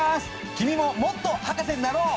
君ももっと博士になろう！